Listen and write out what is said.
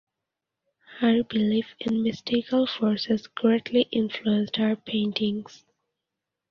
Her belief in mystical forces greatly influenced her paintings.